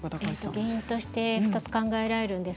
原因として２つ考えられます。